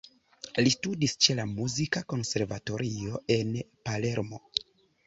Li studis ĉe la muzika konservatorio en Palermo.